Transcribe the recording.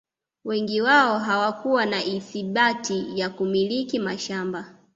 Wengi wao hawakuwa na ithibati ya kumiliki mashamba